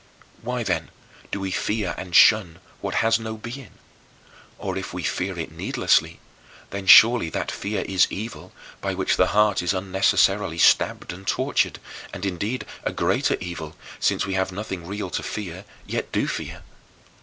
Why, then, do we fear and shun what has no being? Or if we fear it needlessly, then surely that fear is evil by which the heart is unnecessarily stabbed and tortured and indeed a greater evil since we have nothing real to fear, and yet do fear.